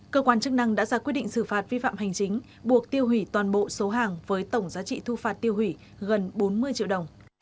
cơ quan chức năng đã ra quyết định xử phạt vi phạm hành chính buộc tiêu hủy toàn bộ số hàng với tổng giá trị thu phạt tiêu hủy gần bốn mươi triệu đồng